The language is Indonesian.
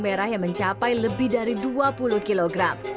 merah yang mencapai lebih dari dua puluh kg